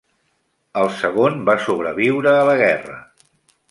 El segon va sobreviure a la guerra.